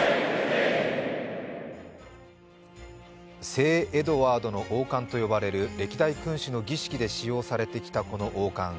聖エドワードの王冠と呼ばれる歴代君主の儀式で使用されてきた、この王冠。